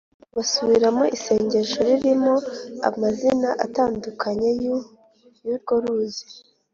basubiramo isengesho ririmo amazina atandukanye y’urwo ruzi